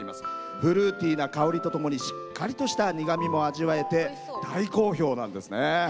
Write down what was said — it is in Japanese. フルーティーな香りとともにしっかりとした苦みも味わえて大好評なんですね。